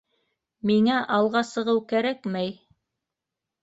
Миңә алға сығыу кәрәкмәй.